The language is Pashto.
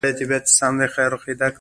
موبایل ډېر نازک وسیله ده.